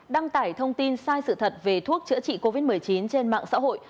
đăng tải thông tin sai sự thật về thuốc chữa trị covid một mươi chín trên mạng xã hội